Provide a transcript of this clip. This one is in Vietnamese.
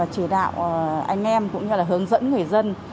chỉ đạo anh em cũng như là hướng dẫn người dân